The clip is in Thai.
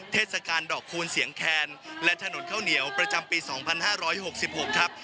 เทศกาลดอกคูณเสียงแคนและถนนข้าวเหนียวประจำปี๒๕๖๖ครับ